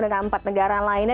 dengan empat negara lainnya